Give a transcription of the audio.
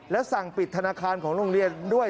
และสั่งปิดธนาคารของโรงเรียนด้วย